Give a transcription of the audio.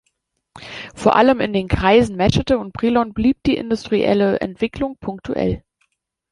Vor allem in den Kreisen Meschede und Brilon blieb die industrielle Entwicklung punktuell.